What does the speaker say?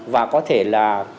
và có thể là